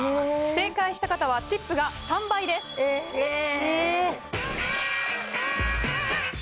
正解した方はチップが３倍ですええー